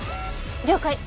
了解。